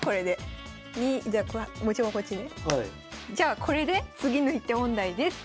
じゃあこれで次の一手問題です。